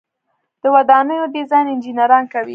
د ودانیو ډیزاین انجنیران کوي